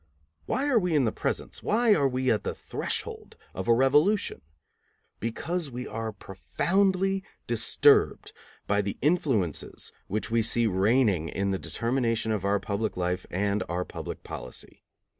Why are we in the presence, why are we at the threshold, of a revolution? Because we are profoundly disturbed by the influences which we see reigning in the determination of our public life and our public policy.